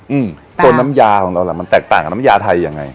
อืมตัวน้ำยาของเราล่ะมันแตกต่างกับน้ำยาไทยยังไง